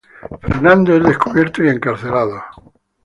Fernando es descubierto y encarcelado.